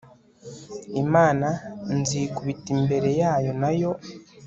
imana, nzikubita imbere yayo, na yo